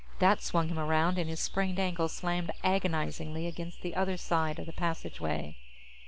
That swung him around, and his sprained ankle slammed agonizingly against the other side of the passageway.